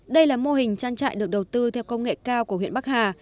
đây là mô hình trang trại được đầu tư theo công nghệ cao của huyện bắc hà